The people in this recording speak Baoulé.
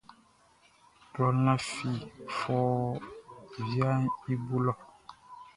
Kloʼn lafi fɔuun viaʼn i bo lɔ.